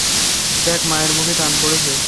দেখ মায়ের মুখে টান পড়েছে?